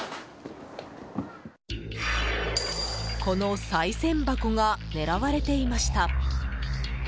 このさい銭箱が狙われていました。